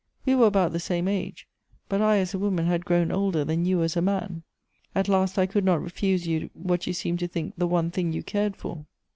We were about the same age; but I as a woman had grown older than you as a man. At last I could not refuse you what you seemed to think the one thing you cared for.